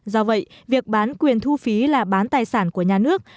do vậy việc bán quyền thu phí là bán tài sản của nhà nước